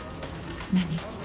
何？